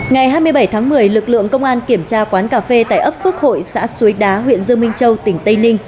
ngày hai mươi bảy tháng một mươi lực lượng công an kiểm tra quán cà phê tại ấp phước hội xã suối đá huyện dương minh châu tỉnh tây ninh